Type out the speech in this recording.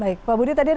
baik pak budi